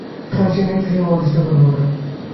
সে নিজের অদৃষ্ট নিজেই গঠন করে।